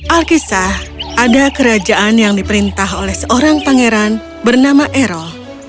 alkisah ada kerajaan yang diperintah oleh seorang pangeran bernama erol